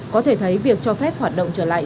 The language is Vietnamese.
có thể thấy việc cho phép hoạt động trở lại